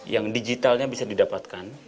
yang digitalnya bisa didapatkan